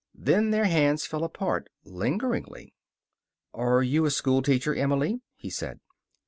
Then their hands fell apart, lingeringly. "Are you a schoolteacher, Emily?" he said.